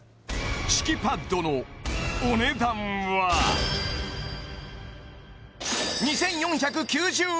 敷きパッドのお値段は２４９０円！